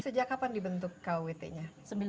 sejak kapan dibentuk kwt nya